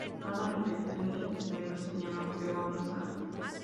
Cada repetición del experimento se llama prueba o ensayo.